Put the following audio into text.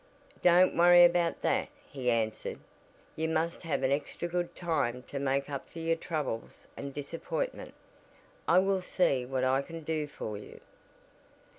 "Don't worry about that," he answered. "You must have an extra good time to make up for your troubles and disappointment, I will see what I can do for you."